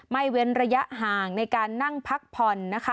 ไม่เว้นระยะห่างในการนั่งพักผ่อน